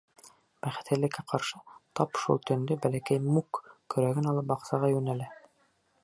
Бәхетһеҙлеккә ҡаршы, тап шул төндө Бәләкәй Мук, көрәген алып, баҡсаға йүнәлә.